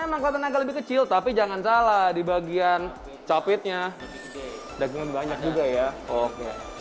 emang kelihatan agak kecil tapi jangan salah di bagian capitnya dagingan banyak juga ya oke